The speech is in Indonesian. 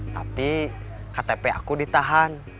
tapi ktp aku ditahan